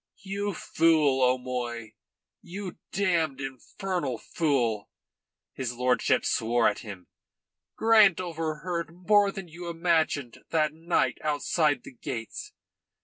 "You fool, O'Moy you damned, infernal fool!" his lordship swore at him. "Grant overheard more than you imagined that night outside the gates.